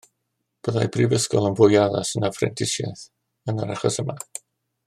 Byddai prifysgol yn fwy addas na phrentisiaeth yn yr achos yma